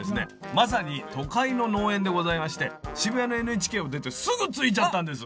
まさに都会の農園でございまして渋谷のＮＨＫを出てすぐ着いちゃったんです。